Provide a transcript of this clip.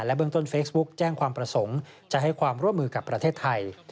เบื้องต้นเฟซบุ๊กแจ้งความประสงค์จะให้ความร่วมมือกับประเทศไทย